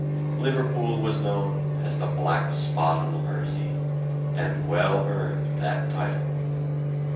Liverpool was known as the "black spot" on the Mersey, and well earned that title.